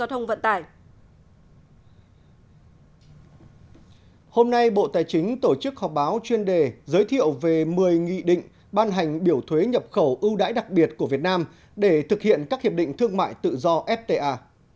hôm nay bộ tài chính tổ chức họp báo chuyên đề giới thiệu về một mươi nghị định ban hành biểu thuế nhập khẩu ưu đãi đặc biệt của việt nam để thực hiện các hiệp định thương mại tự do fta